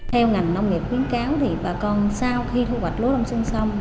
theo ngành nông nghiệp khuyến cáo thì bà con sau khi thu hoạch lúa đông xuân sông